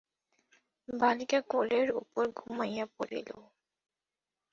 বালিকা কোলের উপর ঘুমাইয়া পড়িল।